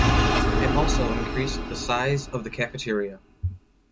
It also increased the size of the cafeteria.